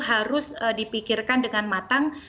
harus dipikirkan dengan matang